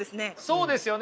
そうですよね。